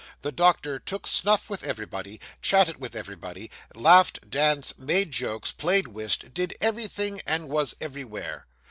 The doctor took snuff with everybody, chatted with everybody, laughed, danced, made jokes, played whist, did everything, and was everywhere.